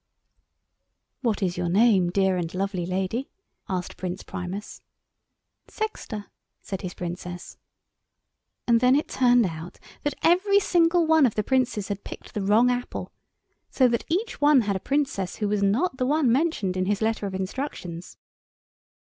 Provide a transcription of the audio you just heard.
"What is your name, dear and lovely lady?" asked Prince Primus. "Sexta," said his Princess. And then it turned out that every single one of the Princes had picked the wrong apple, so that each one had a Princess who was not the one mentioned in his letter of instructions.